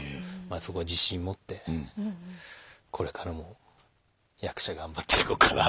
そこは自信持ってこれからも役者頑張っていこうかなみたいな。